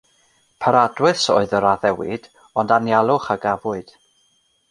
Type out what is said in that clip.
Paradwys oedd yr addewid, ond anialwch a gafwyd.